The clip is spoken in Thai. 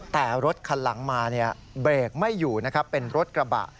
แต่รถคันหลังมาเบรกไม่อยู่นะครับเป็นรถกระบะ